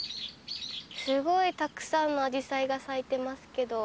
すごいたくさんのアジサイが咲いてますけど。